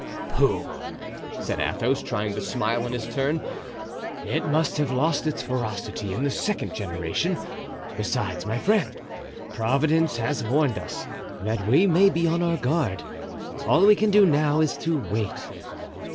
"Pooh!" said Athos, trying to smile in his turn. "It must have lost its ferocity in the second generation. Besides, my friend, Providence has warned us, that we may be on our guard. All we can now do is to wait.